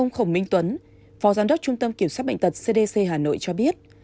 ông khổng minh tuấn phó giám đốc trung tâm kiểm soát bệnh tật cdc hà nội cho biết